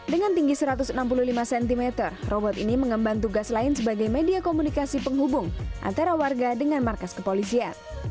dengan tinggi satu ratus enam puluh lima cm robot ini mengemban tugas lain sebagai media komunikasi penghubung antara warga dengan markas kepolisian